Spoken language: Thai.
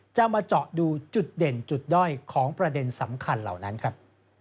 มาเจาะดูจุดเด่นจุดด้อยของประเด็นสำคัญเหล่านั้นครับ